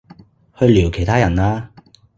去聊其他人啦